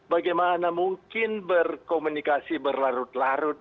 bagaimana mungkin berkomunikasi berlarut larut